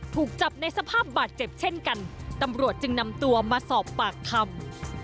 ถูกจับในสภาพบาดเจ็บเช่นกันตำรวจจึงนำตัวมาสอบปากคำ